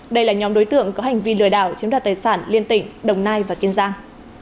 đây là nhóm đối tượng có hành vi lừa đảo chiếm đoạt tài sản liên tỉnh đồng nai và kiên giang